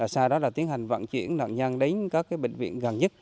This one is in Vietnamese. sau đó là tiến hành vận chuyển nạn nhân đến các bệnh viện gần nhất